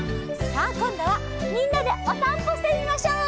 さあこんどはみんなでおさんぽしてみましょう！